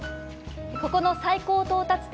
ここの最高到達点